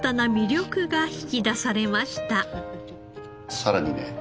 さらにね